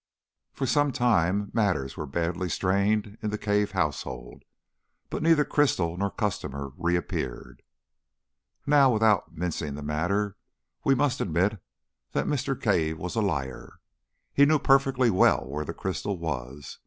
For some time matters were very badly strained in the Cave household, but neither crystal nor customer reappeared. Now, without mincing the matter, we must admit that Mr. Cave was a liar. He knew perfectly well where the crystal was.